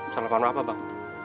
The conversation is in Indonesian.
kesalahpahaman apa bang